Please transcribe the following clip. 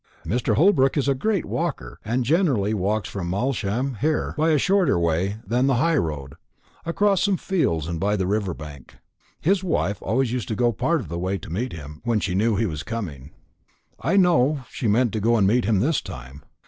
Mr. Holbrook is a great walker, and generally walks from Malsham here, by a shorter way than the high road, across some fields and by the river bank. His wife used always to go part of the way to meet him when she knew he was coming. I know she meant to go and meet him this time.